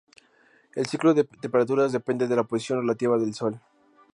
El ciclo de temperaturas depende de la posición relativa del sol.